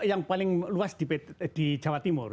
yang paling luas di jawa timur